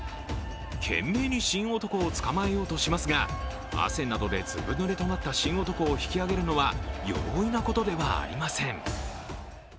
懸命に神男をつかまえようとしますが、汗などでずぶ濡れとなった神男を引き上げるのは容易なことではありません。